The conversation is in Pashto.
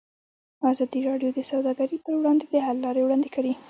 ازادي راډیو د سوداګري پر وړاندې د حل لارې وړاندې کړي.